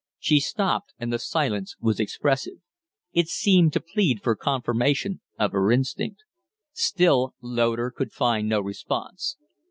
She stopped, and the silence was expressive. It seemed to plead for confirmation of her instinct. Still Loder could find no response.